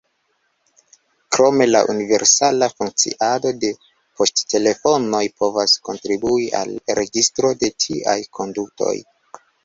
Krome la universala funkciado de poŝtelefonoj povas kontribui al registro de tiaj kondutoj.